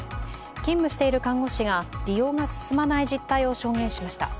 勤務している看護師が利用が進まない実態を証言しました。